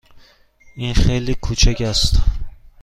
این خیلی کوچک است.